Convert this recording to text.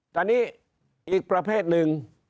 ตอนนี้อีกประเภทหนึ่ง